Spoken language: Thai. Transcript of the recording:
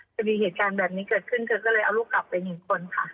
จะมีเหตุการณ์แบบนี้เกิดขึ้นเธอก็เลยเอาลูกกลับไปหนึ่งคนค่ะ